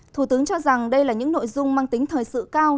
thủ tướng cho rằng đây là những nội dung mang tính thời sự cao